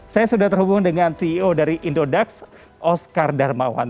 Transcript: saya sudah terhubung dengan ceo dari indodax oscar darmawan